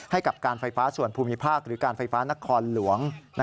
ให้กับการไฟฟ้าส่วนภูมิภาคหรือการไฟฟ้านครหลวง